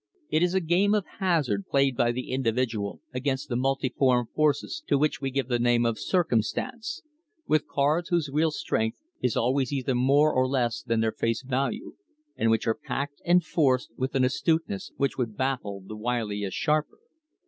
It is a game of hazard played by the individual against the multiform forces to which we give the name of "circumstance," with cards whose real strength is always either more or less than their face value, and which are "packed" and "forced" with an astuteness which would baffle the wiliest sharper.